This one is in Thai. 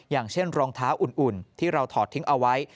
อย่างเช่นรองเท้าอุ่นที่เราถอดทิ้งเอาไว้